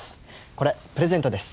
これプレゼントです。